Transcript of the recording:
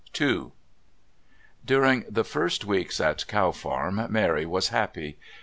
II During the first weeks at Cow Farm Mary was happy.